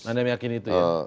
tidak meyakini itu ya